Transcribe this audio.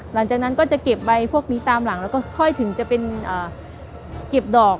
หลังจากนั้นก็จะเก็บใบพวกนี้ตามหลังแล้วก็ค่อยถึงจะเป็นเก็บดอก